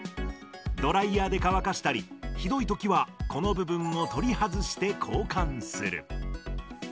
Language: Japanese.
ドライヤーで乾かしたり、ひどいときは、この部分を取り外して交換する。